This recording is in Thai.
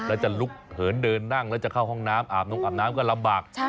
แล้วจะลุกเหินเดินนั่งแล้วจะเข้าห้องน้ำอาบนงอาบน้ำก็ลำบาก